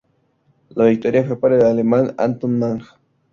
La victoria fue para el alemán Anton Mang.